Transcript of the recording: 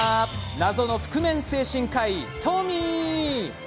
謎の覆面精神科医、Ｔｏｍｙ。